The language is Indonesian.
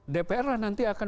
dpr lah nanti akan